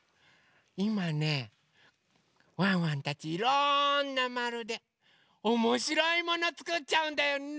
いまねワンワンたちいろんなまるでおもしろいものつくっちゃうんだよね。